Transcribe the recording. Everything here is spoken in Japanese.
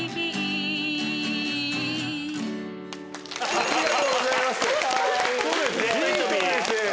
ありがとうございます。